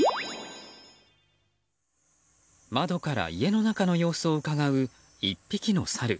窓から家の中の様子をうかがう１匹のサル。